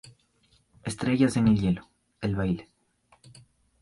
Estrellas en el hielo: el baile